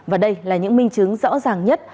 và đây là những minh chứng rõ ràng nhất